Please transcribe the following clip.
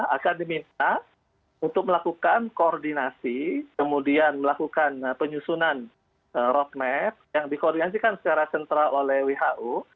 akan diminta untuk melakukan koordinasi kemudian melakukan penyusunan roadmap yang dikoordinasikan secara sentral oleh who